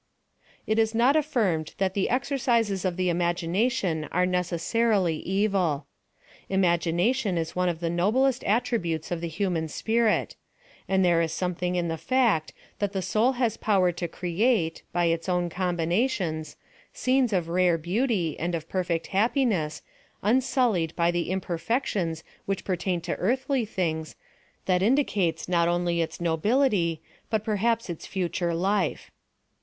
It is not affirmed that the exercises of the imagi nation are necessarily evil. Imagination is one of the noblest attributes of the human spirit ; and there is sometliing in the fact, that the soul has power to create, by its own combinations, scenes of rare beauty, and of perfect happiness, unsullied by the imperfections which pertain to earthly things, that indicates not only its nobility, but perhaps its future life.